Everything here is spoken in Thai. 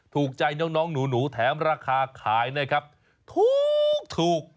ถูกใจน้องหนูแถมราคาขายนะครับถูก